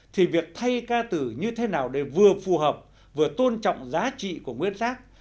thì việc thay ca từ như thế nào để vừa phù hợp vừa tôn trọng giá trị của nguyên tác